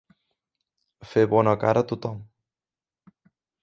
Fer bona cara a tothom.